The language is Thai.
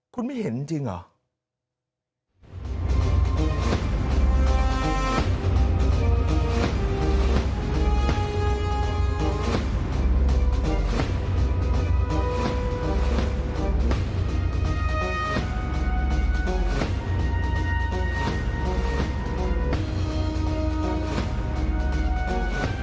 คุณไม่เห็นจริงเหรอ